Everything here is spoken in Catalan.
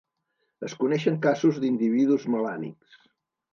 Es coneixen casos d'individus melànics.